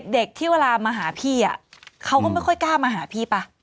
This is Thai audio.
เด็กที่เวลามาหาพี่เขาก็ไม่ค่อยกล้ามาหาพี่ป่ะ